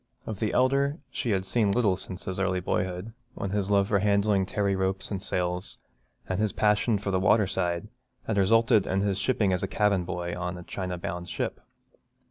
Of the elder she had seen little since his early boyhood, when his love for handling tarry ropes and sails, and his passion for the water side, had resulted in his shipping as cabin boy on a China bound ship.